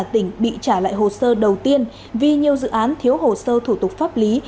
tỉnh bị trả lại hồ sơ đầu tiên vì nhiều dự án thiếu hồ sơ thủ tục pháp lý